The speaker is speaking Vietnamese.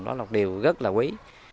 đó là điều rất là quý